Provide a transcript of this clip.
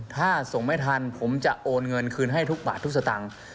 ถ้าส่งไม่ทันผมจะโอนเงินคืนให้ทุกบาททุกสตางค์